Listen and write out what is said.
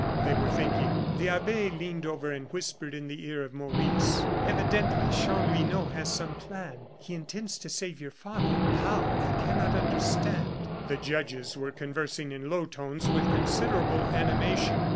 they were thinking. The abbe leaned over and whispered in the ear of Maurice: "Evidently Chanlouineau has some plan. He intends to save your father. How, I cannot understand." The judges were conversing in low tones with considerable animation.